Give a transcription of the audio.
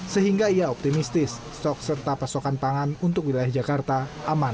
sehingga ia optimistis stok serta pasokan pangan untuk wilayah jakarta aman